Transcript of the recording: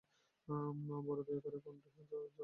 বড়ো দয়া করে কণ্ঠে আমার জড়াও মায়ার ডোর!